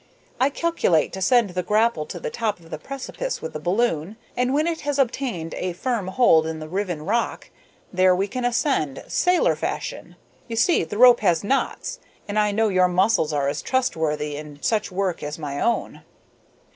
I calculate to send the grapple to the top of the precipice with the balloon, and when it has obtained a firm hold in the riven rock there we can ascend, sailor fashion. You see the rope has knots, and I know your muscles are as trustworthy in such work as my own."